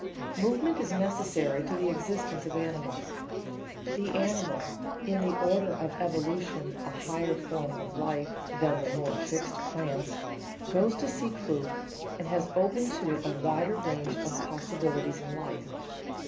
Movement is necessary to the existence of animals. The animal, in the order of evolution a higher form of life than the more fixed plants, goes to seek food, and has open to it a wider range of possibilities in life.